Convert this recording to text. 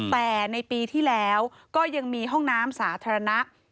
แต่ในปีที่แล้วก็ยังมีห้องน้ำสาธารณะ